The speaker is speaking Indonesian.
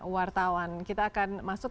wartawan kita akan masuk